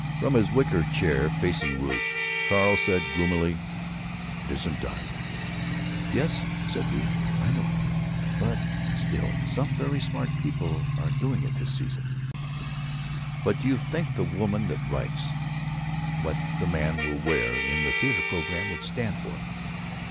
From his wicker chair facing Ruth's, Carl said, gloomily, "It isn't done." "Yes," said Ruth, "I know it, but still some very smart people are doing it this season." "But do you think the woman that writes 'What the man will wear' in the theater programs would stand for it?"